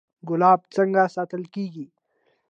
ګلاب څنګه ساتل کیږي؟